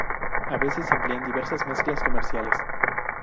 A veces se emplean diversas mezclas comerciales.